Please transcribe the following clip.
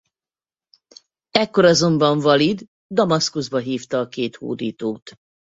Ekkor azonban Valíd Damaszkuszba hívta a két hódítót.